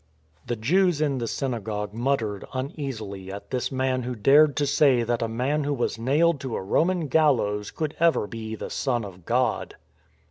The Jews in the synagogue muttered uneasily at this man who dared to say that a man who was nailed to a Roman gallows could ever be the Son of God.